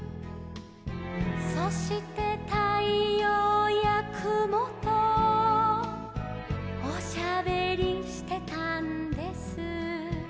「そしてたいようやくもとおしゃべりしてたんです」